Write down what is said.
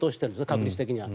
確率的には。